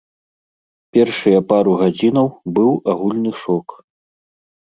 Першыя пару гадзінаў быў агульны шок.